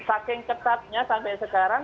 saking ketatnya sampai sekarang